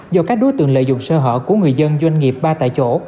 do các đối tượng lợi dụng sơ hở của người dân doanh nghiệp ba tại chỗ